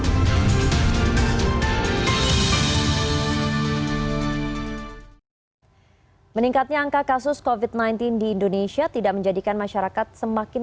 hai meningkatnya angka kasus kofit mainin di indonesia tidak menjadikan masyarakat semakin